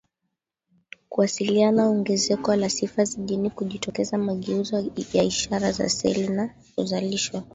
kuwasiliana ongezeko la sifa za jeni kujitokeza mageuzo ya ishara za seli na kuzalishwa